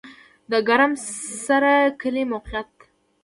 د ګرم سر کلی موقعیت